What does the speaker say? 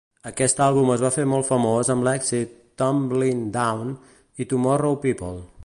Aquest àlbum es va fer molt famós amb l'èxit "Tumblin' Down" i "Tomorrow People".